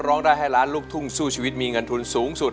ร้องได้ให้ล้านลูกทุ่งสู้ชีวิตมีเงินทุนสูงสุด